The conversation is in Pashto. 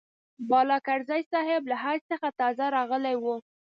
بالاکرزی صاحب له حج څخه تازه راغلی و.